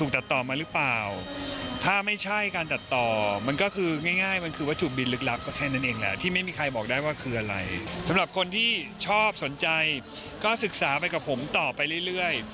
สำหรับคนที่ชอบสนใจก็ศึกษาไปกับผมต่อไปเรื่อย